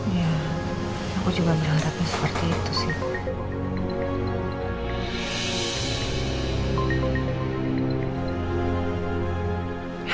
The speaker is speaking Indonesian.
ya aku cuma berharapnya seperti itu sih